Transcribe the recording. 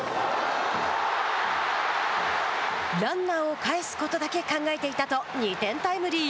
ランナーを帰すことだけ考えていたと２点タイムリー。